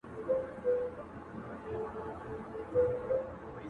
• سوله كوم خو زما دوه شرطه به حتمآ منې.